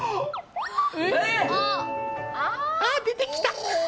あっ、出てきた。